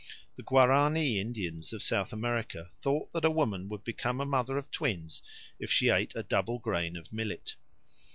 The Guarani Indians of South America thought that a woman would become a mother of twins if she ate a double grain of millet.